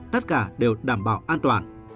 tất cả đều đảm bảo an toàn